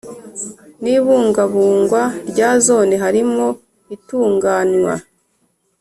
n ibungabungwa rya Zone harimo itunganywa